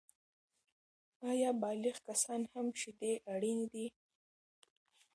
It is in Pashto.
آیا بالغ کسان هم شیدې اړینې دي؟